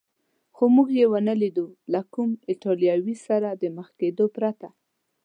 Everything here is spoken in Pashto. خو موږ یې و نه لیدو، له کوم ایټالوي سره د مخ کېدو پرته.